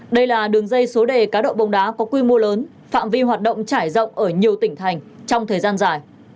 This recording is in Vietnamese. đây là đường dây số đề cá độ bóng đá có quy mô lớn phạm vi hoạt động trải rộng ở nhiều tỉnh thành trong thời gian dài